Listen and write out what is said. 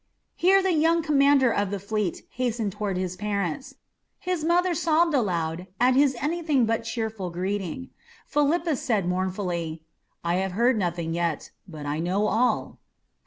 Here the young commander of the fleet hastened toward his parents. His mother sobbed aloud at his anything but cheerful greeting; Philippus said mournfully, "I have heard nothing yet, but I know all."